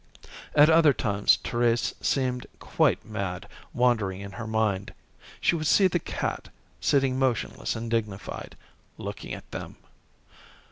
At other times Thérèse seemed quite mad, wandering in her mind. She would see the cat, sitting motionless and dignified, looking at them.